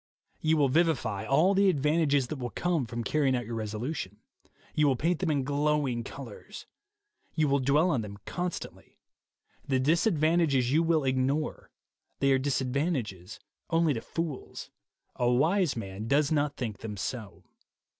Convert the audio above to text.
You will vivify all the advantages that will come from carrying out your resolution. You will paint them in glowing colors. You will dwell on them constantly. The disadvantages you will ignore. They are disadvantages only to fools : a wise man does not think them so.